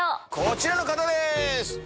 こちらの方です！